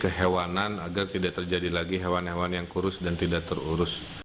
jadi kehewanan agar tidak terjadi lagi hewan hewan yang kurus dan tidak terurus